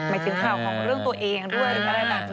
ถึงข่าวของเรื่องตัวเองด้วยหรืออะไรแบบนี้